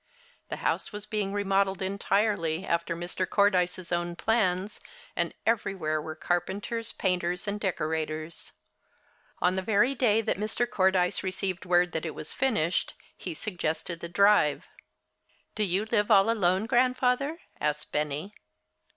The house was being remodeled entirely, after Mr. Cordyce's own plans, and everywhere were carpenters, painters and decorators. On the very day that Mr. Cordyce received word that it was finished, he suggested the drive. "Do you live all alone, Grandfather?" asked Benny.